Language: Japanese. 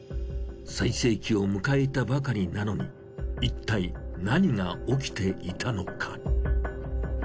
最盛期を迎えたばかりなのにいったい何が起きていたのか。